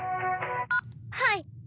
はい。